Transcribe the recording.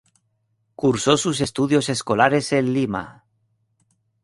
Cursó sus estudios escolares en Lima.